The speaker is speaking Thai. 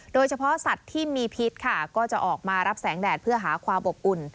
โดยเฉพาะสัตว์ที่มีพิษค่ะก็จะออกมารับแสงแดดเพื่อหาความอบอุ่น